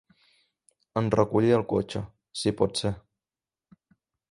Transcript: En recollir el cotxe, si pot ser.